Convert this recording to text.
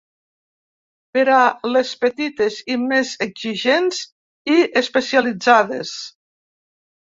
Per a les petites i més exigents i especialitzades.